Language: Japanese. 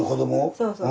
そうそう。